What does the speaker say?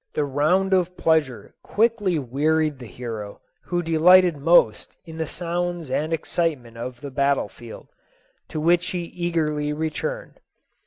The round of pleasure quickly wearied the hero, who delighted most in the sounds and excitement of the battle field, to which he eagerly returned.